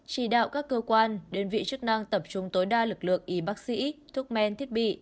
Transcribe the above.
chỉ đạo các cơ quan đơn vị chức năng tập trung tối đa lực lượng y bác sĩ thuốc men thiết bị